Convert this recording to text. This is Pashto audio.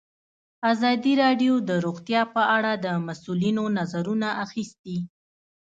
ازادي راډیو د روغتیا په اړه د مسؤلینو نظرونه اخیستي.